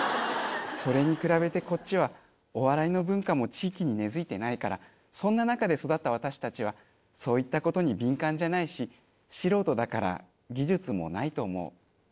それに比べてこっちはお笑いの文化も地域に根づいてないからそんな中で育った私たちはそういった事に敏感じゃないし素人だから技術もないと思う。